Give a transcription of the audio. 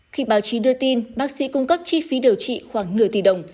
khi báo chí đưa tin bác sĩ cung cấp chi phí điều trị khoảng nửa tỷ đồng